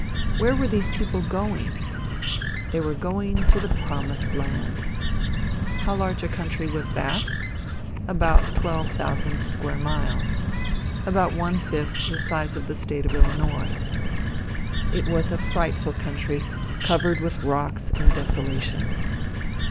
Where were these people going? They were going to the promised land. How large a country was that? About twelve thousand square miles. About one fifth the size of the State of Illinois. It was a frightful country, covered with rocks and desolation.